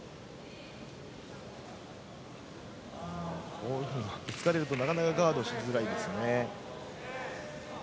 こういうふうに巻きつかれるとなかなかガードしづらいんですよね。